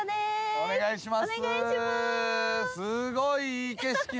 お願いします！